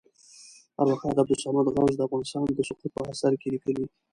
ارواښاد عبدالصمد غوث د افغانستان د سقوط په اثر کې لیکلي.